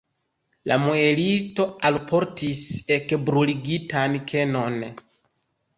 La muelisto alportis ekbruligitan kenon.